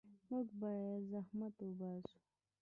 موږ باید زحمت وباسو.